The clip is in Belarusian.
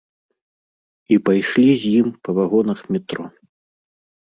І пайшлі з ім па вагонах метро.